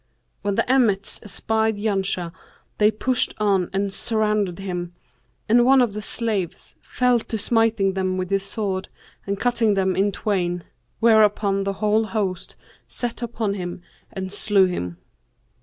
When the emmets espied Janshah they pushed on and surrounded him, and one of the slaves fell to smiting them with his sword and cutting them in twain; whereupon the whole host set upon him and slew him.